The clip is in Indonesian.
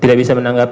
tidak bisa menanggapi